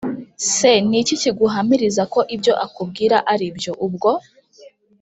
se niki kiguhamiriza ko ibyo akubwira aribyo, ubwo